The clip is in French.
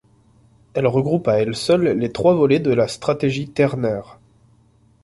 Elle regroupe à elle seule les trois volets de la stratégie ternaire.